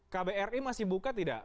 kbri masih buka tidak